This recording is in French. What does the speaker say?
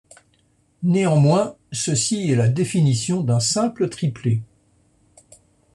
Néanmoins, ceci est la définition d'un simple triplé.